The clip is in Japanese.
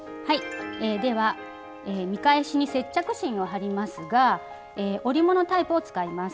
では見返しに接着芯を貼りますが織物タイプを使います。